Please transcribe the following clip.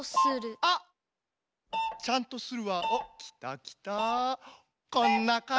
あ！ちゃんとする。